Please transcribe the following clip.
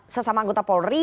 sesama anggota polri